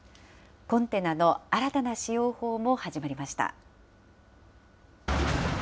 コンテナの新たな使用法も始まりました。